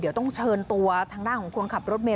เดี๋ยวต้องเชิญตัวทางด้านของคนขับรถเมย